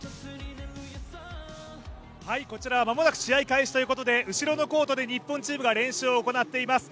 こちら、間もなく試合開始ということで後ろのコートで日本チームが練習を行っています。